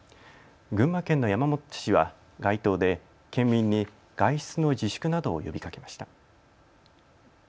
群馬県の山本知事は街頭で県民に外出の自粛などを呼びかけました。